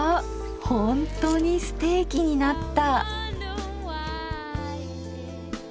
ほんとにステーキになった。